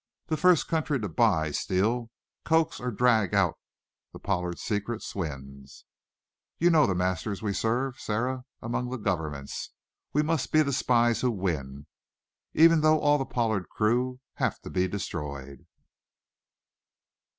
The first country to buy, steal, coax or drag out the Pollard secrets wins! You know the master we serve, Sara, among the governments. We must be the spies who win even though all the Pollard crew have to be destroyed!"